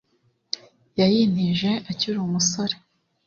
yayintije akiri umusore